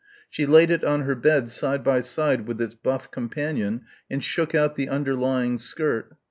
She laid it on her bed side by side with its buff companion and shook out the underlying skirt....